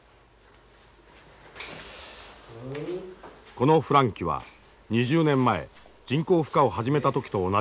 この孵卵器は２０年前人工孵化を始めた時と同じものだ。